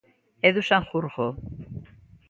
Edu Sanjurjo.